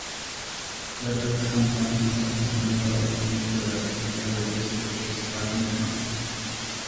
Let us come back now to the matter of non-productive areas which is quite interesting.